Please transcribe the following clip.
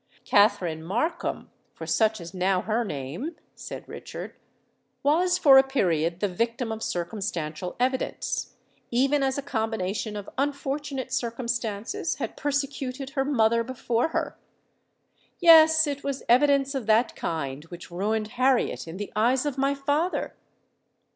"Katharine Markham—for such is now her name," said Richard, "was for a period the victim of circumstantial evidence—even as a combination of unfortunate circumstances had persecuted her mother before her. Yes—it was evidence of that kind which ruined Harriet in the eyes of my father!